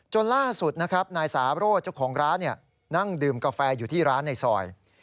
ล่าสุดนะครับนายสาโรธเจ้าของร้านนั่งดื่มกาแฟอยู่ที่ร้านในซอย